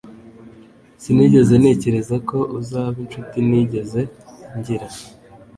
Sinigeze ntekereza ko uzaba inshuti ntigeze ngira